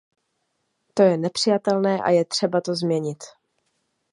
To je nepřijatelné a je třeba to změnit.